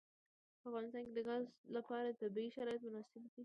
په افغانستان کې د ګاز لپاره طبیعي شرایط مناسب دي.